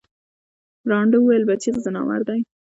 ړانده وویل بچی د ځناور دی